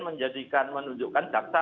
kerugian menunjukkan jaksa